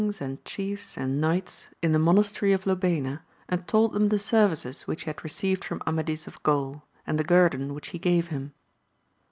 und cliiefs aiul knights in the monastery of Lubayna, and told them the scrTiccs wliiehhohad received from Amadia of Ghiuli and the guerdon wliich he gave him.